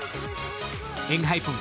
ＥＮＨＹＰＥＮ